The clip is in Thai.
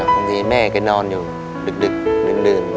บางทีแม่ก็นอนอยู่ดึกดื่น